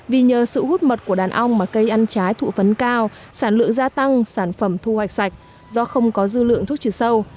vì nhờ sự hút mật của đàn ông mà cây ăn trái thụ phấn cao sản lượng gia tăng sản phẩm thu hoạch sạch do không có dư lượng thuốc trừ sâu